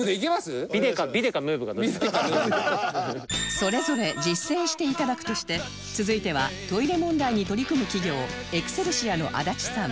それぞれ実践して頂くとして続いてはトイレ問題に取り組む企業エクセルシアの足立さん